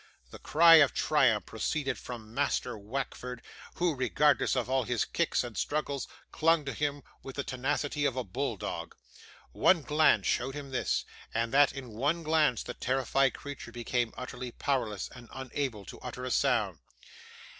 The cry of triumph proceeded from Master Wackford, who, regardless of all his kicks and struggles, clung to him with the tenacity of a bull dog! One glance showed him this; and in that one glance the terrified creature became utterly powerless and unable to utter a sound.